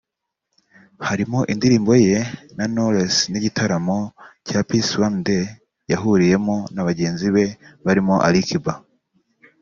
harimo indirimbo ye na Knowless n’igitaramo cya Peace One Day yahuriyemo na bagenzi be barimo Ali Kiba